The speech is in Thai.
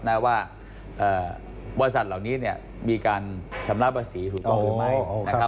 ว่าบริษัทเหล่านี้เนี่ยมีการชำระภาษีถูกต้องหรือไม่นะครับ